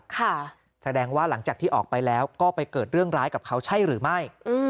แสดงว่าหลังจากที่ออกไปแล้วก็ไปเกิดเรื่องร้ายกับเขาใช่หรือไม่